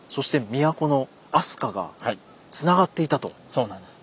そうなんです。